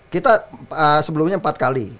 kita sebelumnya empat kali